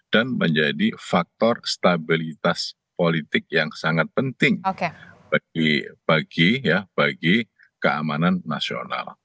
menjadi faktor stabilitas politik yang sangat penting bagi keamanan nasional